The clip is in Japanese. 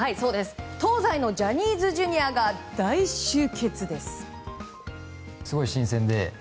東西のジャニーズＪｒ．が大集結です。